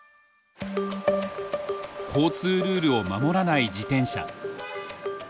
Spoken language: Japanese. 交通ルールを守らない自転車。